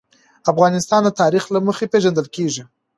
افغانستان د تاریخ له مخې پېژندل کېږي.